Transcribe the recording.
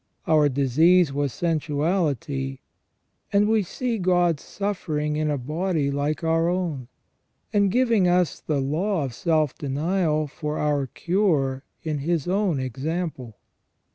Our disease was sensuality, and we see God suffering in a body like our own, and giving us the law of self denial for our cure in His own example.